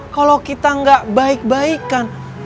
kalau kita nggak baik baikan